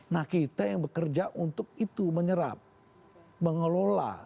nah kita yang bekerja untuk itu menyerap mengelola